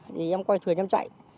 thì em quay thuyền em chạy